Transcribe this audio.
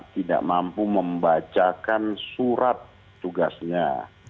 tidak mampu membacakan surat tugasnya